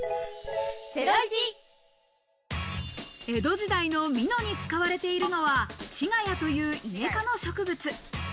江戸時代の蓑に使われているのは、チガヤというイネ科の植物。